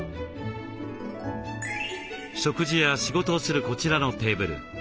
食事や仕事をするこちらのテーブル。